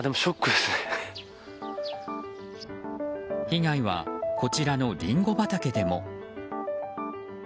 被害は、こちらのリンゴ畑でも。